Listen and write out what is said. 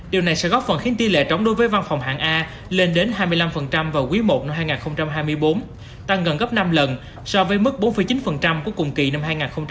điều này sẽ góp phần khiến tỷ lệ trống đối với văn phòng hạng a lên đến hai mươi năm vào quý i năm hai nghìn hai mươi bốn tăng gần gấp năm lần so với mức bốn chín của cùng kỳ năm hai nghìn hai mươi hai